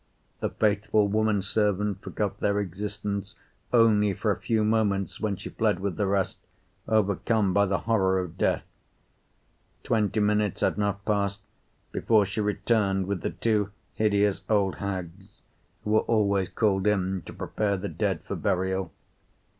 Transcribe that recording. The faithful woman servant forgot their existence only for a few moments when she fled with the rest, overcome by the horror of death. Twenty minutes had not passed before she returned with the two hideous old hags who are always called in to prepare the dead for burial.